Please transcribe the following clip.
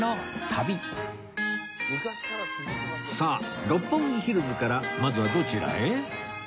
さあ六本木ヒルズからまずはどちらへ？